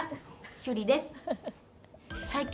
趣里です。